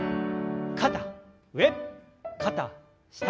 肩上肩下。